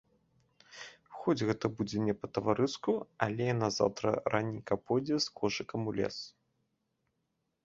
Хоць гэта будзе не па-таварыску, але яна заўтра раненька пойдзе з кошыкам у лес.